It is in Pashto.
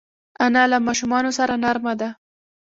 انا له ماشومانو سره نرمه ده